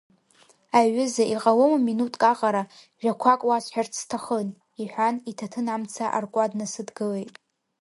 Аҩыза, иҟалома минуҭк аҟара, жәақәак уасҳәарц сҭахын, — иҳәан, иҭаҭын амца аркуа днасыдгылеит.